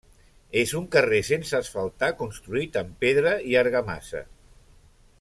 És un carrer sense asfaltar construït amb pedra i argamassa.